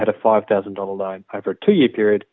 anda akan membayar sekitar satu delapan ratus dalam periode dua tahun